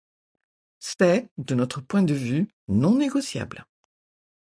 C’est, de notre point de vue, non négociable.